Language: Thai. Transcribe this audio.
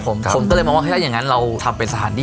โปรดติดตามต่อไป